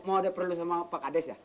mau ada perlu sama pak kades ya